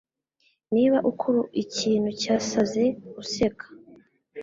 Niba ukora ikintu cyasaze, uzaseka.